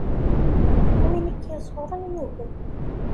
Win i k-iẓuren yugem.